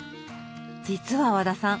実は和田さん